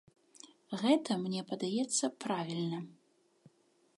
Гэта, мне падаецца, правільна.